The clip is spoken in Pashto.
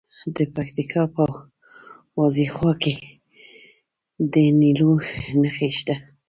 د پکتیکا په وازیخوا کې د تیلو نښې شته.